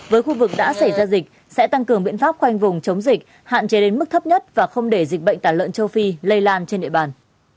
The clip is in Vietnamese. với khu vực đã xảy ra dịch sẽ tăng cường biện pháp khoanh vùng chống dịch hạn chế đến mức thấp nhất và không để dịch bệnh tả lợn châu phi lây lan trên địa bàn